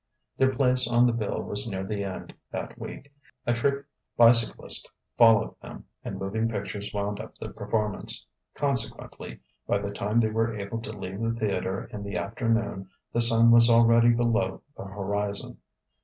Their place on the bill was near the end, that week: a trick bicyclist followed them, and moving pictures wound up the performance. Consequently, by the time they were able to leave the theatre in the afternoon the sun was already below the horizon.